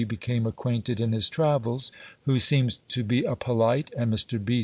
became acquainted in his travels, who seems to be a polite (and Mr. B.